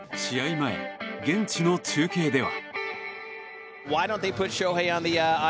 前、現地の中継では。